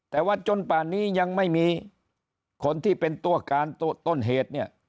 แต่ว่าจนป่านนี้ยังไม่มีคนที่เป็นตัวการต้นเหตุเนี่ย